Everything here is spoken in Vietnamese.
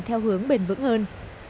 theo hướng bền vững hơn